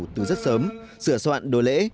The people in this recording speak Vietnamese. từ rất sớm sửa soạn đồ lễ